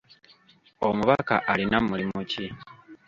Omubaka alina mulimu ki?